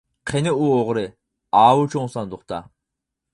-قېنى ئۇ ئوغرى؟ -ئاۋۇ چوڭ ساندۇقتا.